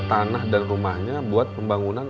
tanah dan rumahnya buat pembangunan